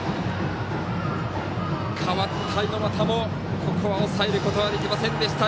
代わった猪俣もここは抑えることができませんでした。